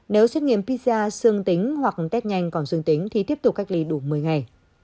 nếu xét nghiệm pcr xương tính hoặc test nhanh còn xương tính thì tiếp tục cách ly đủ một mươi ngày